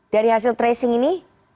dari hasil tracing ini